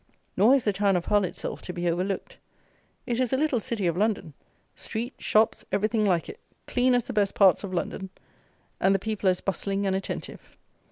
Nor is the town of Hull itself to be overlooked. It is a little city of London: streets, shops, everything like it; clean as the best parts of London, and the people as bustling and attentive.